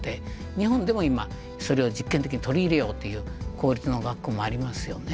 日本でも今それを実験的に取り入れようという公立の学校もありますよね。